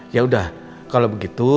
yaudah kalau begitu